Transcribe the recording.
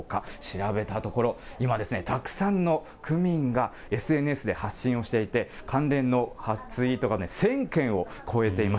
調べたところ、今、たくさんの区民がＳＮＳで発信をしていて、関連のツイートが１０００件を超えています。